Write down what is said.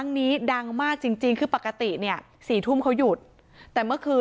จนใดเจ้าของร้านเบียร์ยิงใส่หลายนัดเลยค่ะ